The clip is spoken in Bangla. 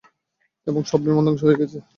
এবং সব বিমান ধংস হয়ে গেছে।